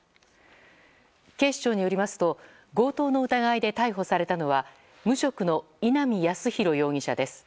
警視庁によりますと強盗の疑いで逮捕されたのは無職の稲見康博容疑者です。